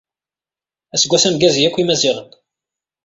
Aseggas ameggaz i wakk Imaziɣen.